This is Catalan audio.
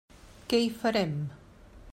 Què hi farem.